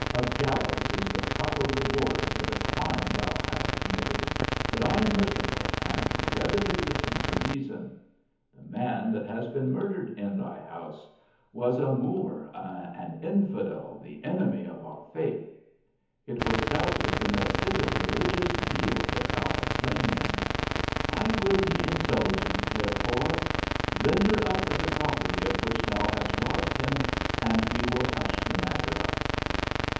A gallows is the proper reward for the crime thou hast committed, but I am merciful, and readily listen to reason. The man that has been murdered in th> house was a Moor, an infidel, the enemy of our faith. It was doubtless in a fit of religious zeal that thou hast slain him. I will be indulgent, therefore ; ren der up the property of which thou hast robbed him, and we will hush the matter up."